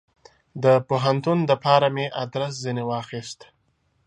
د پوهنتون دپاره مې ادرس ځني واخیست.